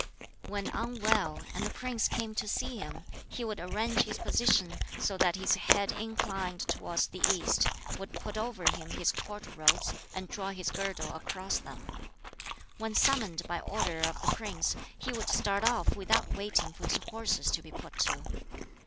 When unwell, and the prince came to see him, he would arrange his position so that his head inclined towards the east, would put over him his Court robes, and draw his girdle across them. When summoned by order of the prince, he would start off without waiting for his horses to be put to.